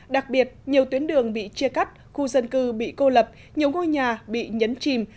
đặc biệt nhiều tuyến đường bị chia cắt khu dân cư bị cô lập nhiều ngôi nhà bị nhấn chìm